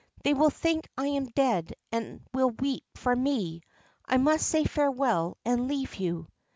They will think I am dead and will weep for me. I must say farewell and leave you.'